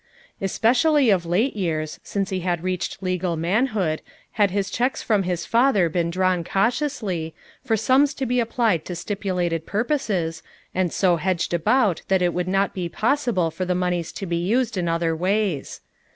Especially of late years, since lie had reached legal manhood had his checks from his father been drawn cautiously, for sums to be applied to stipulated purposes, and so hedged about that it would not bo possible for the monies to be used in other ways.